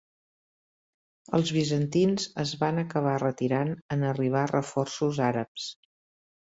Els bizantins es van acabar retirant en arribar reforços àrabs.